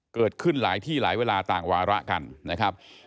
เกิดขึ้นหลายที่หลายเวลาต่างวาระกันนะครับ